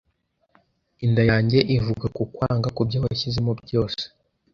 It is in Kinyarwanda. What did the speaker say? Inda yanjye ivuga kukwanga kubyo wanshizemo byose